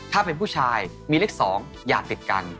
ถ้าเป็นผู้ชายมีเลข๒อย่าติดกัน